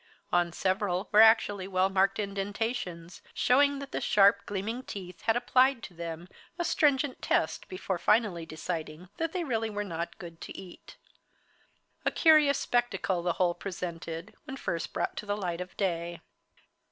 On several were actually well marked indentations, showing that sharp, gleaming teeth had applied to them a stringent test before finally deciding that they really were not good to eat. A curious spectacle the whole presented when first brought to the light of day.